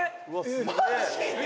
「マジで！？」